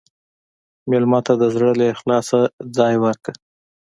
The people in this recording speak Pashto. مېلمه ته د زړه له اخلاصه ځای ورکړه.